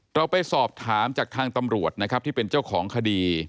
เราไปสอบถามจากทางตำรวจนะครับที่เป็นเจ้าของคดี